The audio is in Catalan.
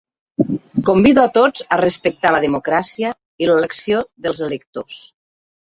Convido a tots a respectar la democràcia i l’elecció dels electors.